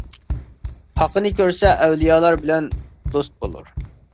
پاقىنى كۆرسە ئەۋلىيالار بىلەن دوست بولۇر.